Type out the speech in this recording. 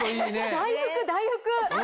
大福大福！